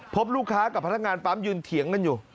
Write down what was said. พบลูกค้ากับพนักงานปั๊มยืนเถียงกันอยู่